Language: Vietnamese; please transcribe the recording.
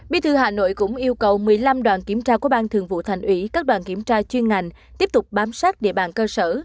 bí thư hà nội cũng yêu cầu một mươi năm đoàn kiểm tra của ban thường vụ thành ủy các đoàn kiểm tra chuyên ngành tiếp tục bám sát địa bàn cơ sở